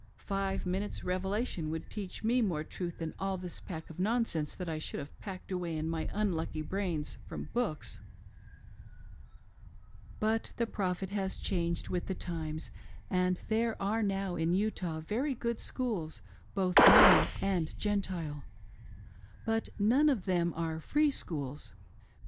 Five minutes revelation would teach me more truth than all this pack of non sense that I should have packed away in my unlucky brains from books." But the Prophet, has changed with the times, and there are now in Utah very good schools, both Mormon and Gentile, but none of them are //r^ schools.